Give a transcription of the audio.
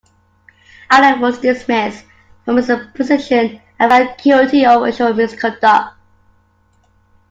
Allen was dismissed from his position and found guilty of official misconduct.